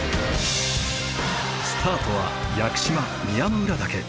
スタートは屋久島宮之浦岳。